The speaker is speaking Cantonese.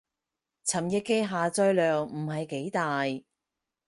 尋日嘅下載量唔係幾大